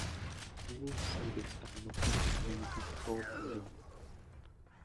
Many cities are located along this fault zone.